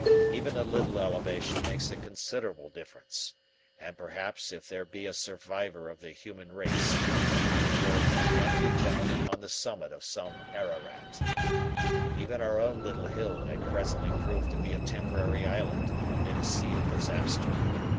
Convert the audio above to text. Even a little elevation makes a considerable difference, and perhaps if there be a survivor of the human race, he will again be found upon the summit of some Ararat. Even our own little hill may presently prove to be a temporary island amid a sea of disaster.